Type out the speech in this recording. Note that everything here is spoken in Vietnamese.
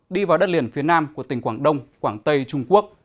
đi vào đất liền phía nam của tỉnh quảng đông quảng tây trung quốc